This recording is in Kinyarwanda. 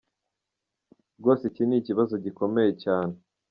Rwose iki ni ikibazo gikomeye cyane”.